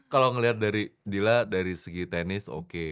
kalau ngelihat dari dila dari segi tenis oke